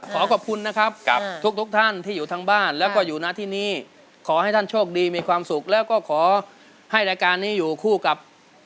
การคัดสรรค่ะคิดว่ารู้จักเพลงกดปุ่มทันทีนะครับถ้าพร้อมแล้วเพลงโจทย์มาเลยครับ